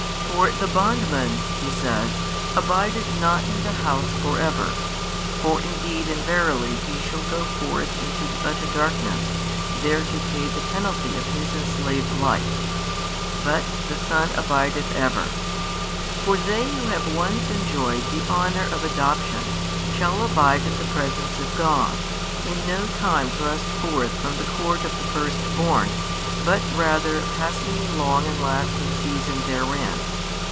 For the bondman, He says, abideth not in the house for ever (for indeed and verily he shall go forth into the utter darkness there to pay the penalty of his enslaved life) but the Son abideth ever. For they who have once enjoyed the honour of adoption, shall abide in the presence of God, in no time thrust forth from the court of the firstborn, but rather passing a long and lasting season therein.